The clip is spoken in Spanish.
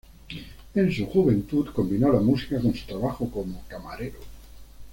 En su juventud combinó la música con su trabajo como camarero.